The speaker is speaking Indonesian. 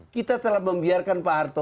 kita telah membiarkan pak harto